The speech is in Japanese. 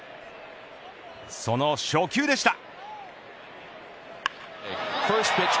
その初球でした。